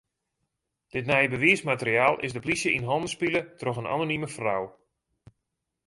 Dit nije bewiismateriaal is de plysje yn hannen spile troch in anonime frou.